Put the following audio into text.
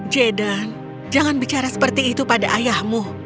jaden jangan bicara seperti itu pada ayahmu